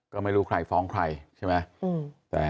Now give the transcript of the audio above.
ก็ไม่รู้ใครฟ้องใครใช่ไหม